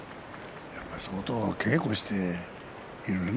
やっぱり相当稽古しているね。